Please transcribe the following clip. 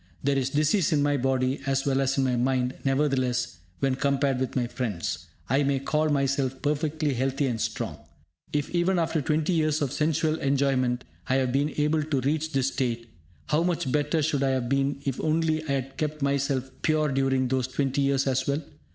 There is disease in my body as well as in my mind; nevertheless, when compared with my friends, I may call myself perfectly healthy and strong. If even after twenty years of sensual enjoyment, I have been able to reach this state, how much better should I have been if only I had kept myself pure during those twenty years as well?